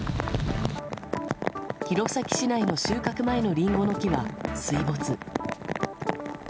弘前市内の収穫前のリンゴの木は水没。